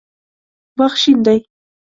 باغ شین دی